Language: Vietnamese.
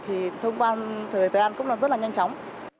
thì thông quan thời gian cũng rất là nhanh chóng